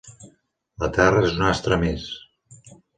La Terra és un astre més.